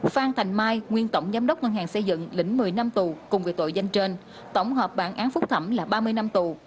phan thành mai nguyên tổng giám đốc ngân hàng xây dựng lĩnh một mươi năm tù cùng với tội danh trên tổng hợp bản án phúc thẩm là ba mươi năm tù